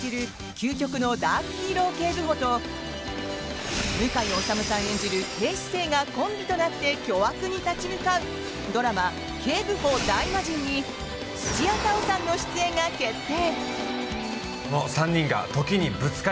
究極のダークヒーロー警部補と向井理さん演じる警視正がコンビとなって巨悪に立ち向かうドラマ「警部補ダイマジン」に土屋太鳳さんの出演が決定。